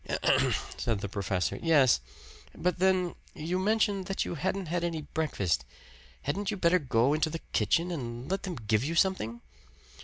"Ahem!" said the professor. "Yes. But then you mentioned that you hadn't had any breakfast. Hadn't you better go into the kitchen and let them give you something?"